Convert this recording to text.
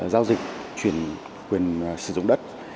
giao dịch chuyển quyền sử dụng đất